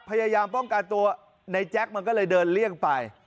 พยายามป้องกันตัวในแจ๊คมันก็เลยเดินเลี่ยงไป